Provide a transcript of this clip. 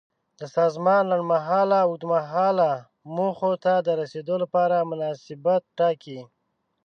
د سازمان لنډمهاله او اوږدمهاله موخو ته د رسیدو لپاره مناسبیت ټاکي.